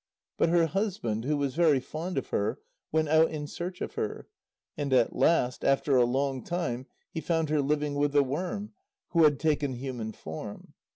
But her husband, who was very fond of her, went out in search of her. And at last, after a long time, he found her living with the worm, who had taken human form.